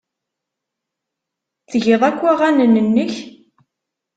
Tgiḍ akk aɣanen-nnek?